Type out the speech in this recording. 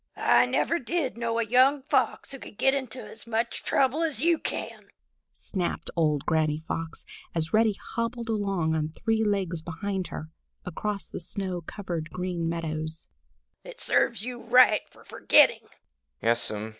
"I never did know a young Fox who could get into so much trouble as you can!" snapped old Granny Fox, as Reddy hobbled along on three legs behind her, across the snow covered Green Meadows. "It serves you right for forgetting!"